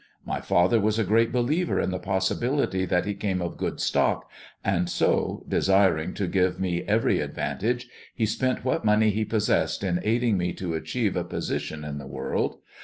My father was a great believer in the possibilitj that he came of good stock, and so, desiring to give mc every advantage, he spent what money he possessed in aiding me to achieve a position in the world.